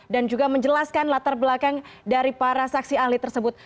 dan juga menjelaskan latar belakang dari para saksi ahli tersebut